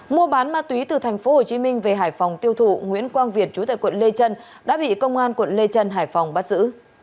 mua bán ma túy từ tp hcm về hải phòng tiêu thụ nguyễn quang việt chú tại quận lê trân đã bị công an quận lê trân hải phòng bắt giữ